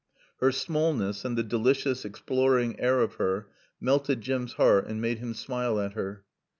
Her smallness, and the delicious, exploring air of her melted Jim's heart and made him smile at her.